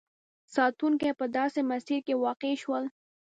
ساتونکي په داسې مسیر کې واقع شول.